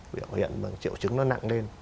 biểu hiện triệu chứng nó nặng lên